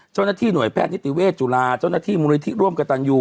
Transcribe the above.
เจ้าหน้าที่หน่วยแพทย์นิติเวชจุฬาเจ้าหน้าที่มูลนิธิร่วมกับตันยู